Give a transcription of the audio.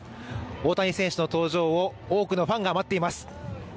大谷選手の登場を多くのファンが待っています。